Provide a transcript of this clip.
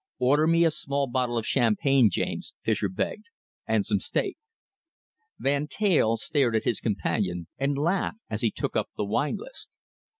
"Order me a small bottle of champagne, James," Fischer begged, "and some steak." Van Teyl stared at his companion and laughed as he took up the wine list.